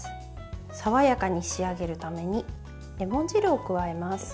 爽やかに仕上げるためにレモン汁を加えます。